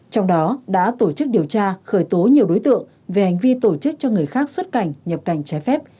trong đó đã tổ chức điều tra khởi tố nhiều đối tượng về hành vi tổ chức cho người khác xuất cảnh nhập cảnh trái phép